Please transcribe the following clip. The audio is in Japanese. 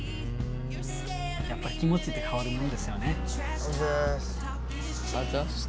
やっぱ気持ちって変わるもんですよね。